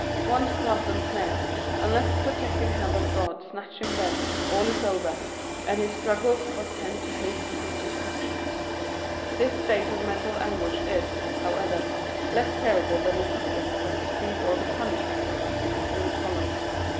Once thus ensnared, unless the protecting hand of God snatch him thence, all is over, and his struggles but tend to hasten his destruction. This state of mental anguish is, however, less terrible than the sufferings that precede or the punishment that possibly will follow.